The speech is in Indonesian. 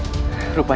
sedang apa kau disini